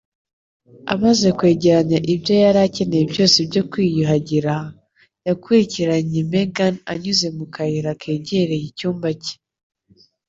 Amaze kwegeranya ibyo yari akeneye byose byo kwiyuhagira, yakurikiranye Megan anyuze mu kayira kegereye icyumba cye.